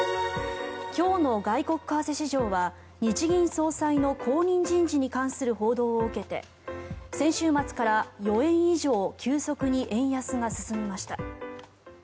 今日の外国為替市場は日銀総裁の後任人事に関する報道を受けて先週末から４円以上急速に円安が進みました。